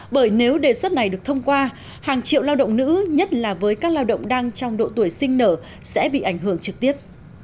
bởi nếu đề xuất này được thông qua hàng triệu lao động nữ nhất là với các lao động đang trong độ tuổi sinh nở sẽ bị ảnh hưởng trực tiếp